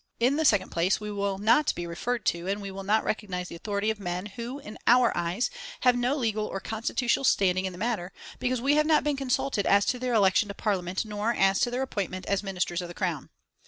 "In the second place, we will not be referred to, and we will not recognise the authority of men who, in our eyes, have no legal or constitutional standing in the matter, because we have not been consulted as to their election to Parliament nor as to their appointment as Ministers of the Crown."